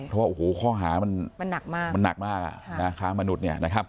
เพราะว่าข้อหามันหนักมากค้ามนุษย์